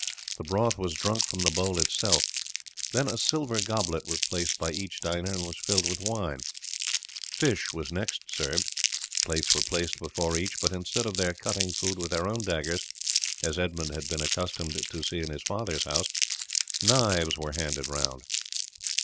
The broth was drunk from the bowl itself; then a silver goblet was placed by each diner, and was filled with wine. Fish was next served. Plates were placed before each; but instead of their cutting food with their own daggers, as Edmund had been accustomed to see in his father's house, knives were handed round.